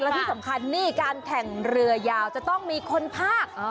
และที่สำคัญนี่การแข่งเรือยาวจะต้องมีคนภาค